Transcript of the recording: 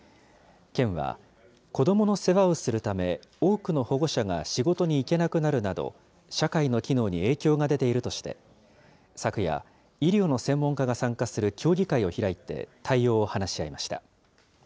県は子どもの世話をするため、多くの保護者が仕事に行けなくなるなど、社会の機能に影響が出ているとして、昨夜、医療の専門家が参加する協議会を開いて対応を話し合いました。